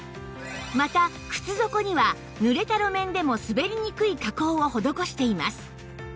また靴底には濡れた路面でも滑りにくい加工を施しています